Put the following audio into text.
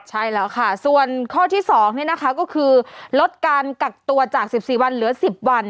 ใช่แล้วค่ะส่วนข้อที่สองนี่นะคะก็คือลดการกักตัวจากสิบสี่วันเหลือสิบวัน